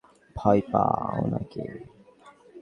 ভয় পা উনাকে!